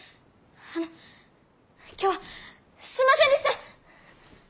あの今日はすんませんでした！